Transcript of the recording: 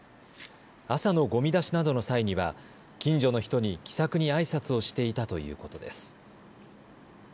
朝のごみ出しなどの際には近所の人に気さくにあいさつをしていたということです。